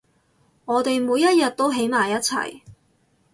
我哋每一日都喺埋一齊